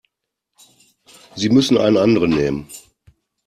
Sie müssen einen anderen nehmen.